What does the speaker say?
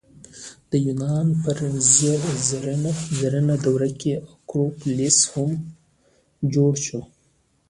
د یونان په زرینه دوره کې اکروپولیس هم جوړ شو.